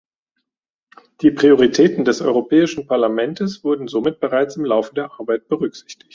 Die Prioritäten des Europäischen Parlaments wurden somit bereits im Laufe der Arbeit berücksichtigt.